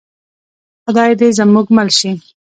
خدای دې زموږ مل شي؟